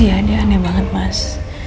iya ini aneh banget mas